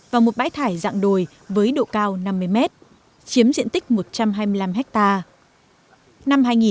và một bãi thải dạng đồi với độ cao năm mươi mét chiếm diện tích một trăm hai mươi năm hectare